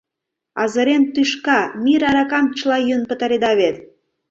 Азырен тӱшка: мир аракам чыла йӱын пытареда вет.